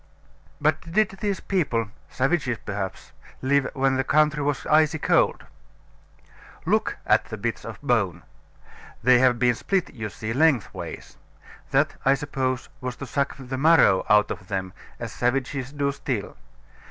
But did these people (savages perhaps) live when the country was icy cold? Look at the bits of bone. They have been split, you see, lengthways; that, I suppose, was to suck the marrow out of them, as savages do still.